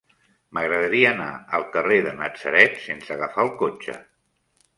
M'agradaria anar al carrer de Natzaret sense agafar el cotxe.